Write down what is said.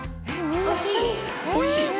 おいしい？